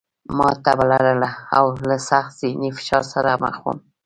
ما تبه لرله او له سخت ذهني فشار سره مخ وم